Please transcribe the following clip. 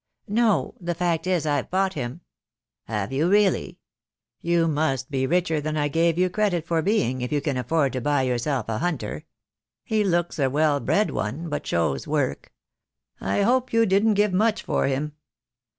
"No. The fact is I've bought him." "Have you really? You must be richer than I gave you credit for being if you can afford to buy yourself a hunter. He looks a well bred one, but shows work. I hope you didn't give much for him."